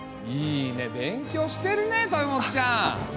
いいね勉強してるね豊本ちゃん！